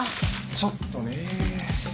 ちょっとね。